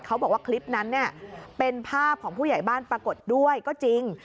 เขาบอกว่าคลิปนั้นเป็นภาพของผู้ใหญ่บ้านปรากฏด้วยก็จริง